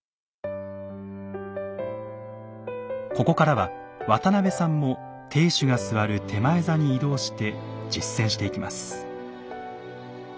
ここからは渡邊さんも亭主が座る点前座に移動して実践していきます。